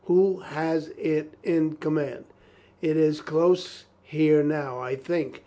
Who has it in command?" "It is close here now, I think.